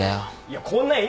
いやこんな絵